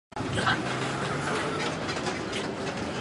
这引起了在叙利亚占多数的逊尼派穆斯林中的一些人的不满。